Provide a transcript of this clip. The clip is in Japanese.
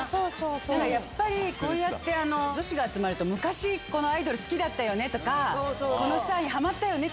やっぱりこうやって女子が集まると昔このアイドル好きだったよね！とかこのスターにハマったよね！